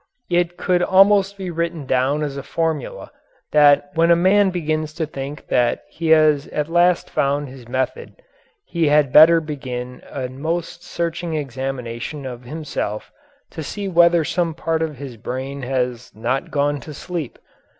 It could almost be written down as a formula that when a man begins to think that he has at last found his method he had better begin a most searching examination of himself to see whether some part of his brain has not gone to sleep.